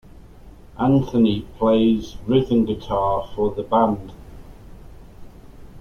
Antony plays rhythm guitar for the band.